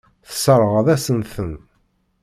Tesseṛɣeḍ-asen-ten.